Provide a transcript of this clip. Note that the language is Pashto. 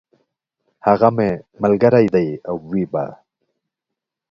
هغه مي ملګری دی او وي به !